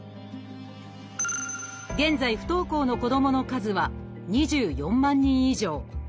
現在不登校の子どもの数は２４万人以上。